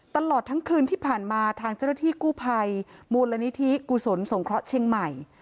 ตลอดทั้งคืนที่ผ่านมาทางเจ้าหน้าที่กู้ภัยมูลนิธิกุศลสงเคราะห์เชียงใหม่